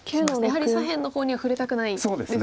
やはり左辺の方には触れたくないですね。